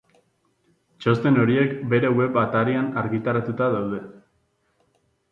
Txosten horiek bere web atarian argitaratuta daude.